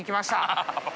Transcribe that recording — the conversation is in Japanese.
ハハハ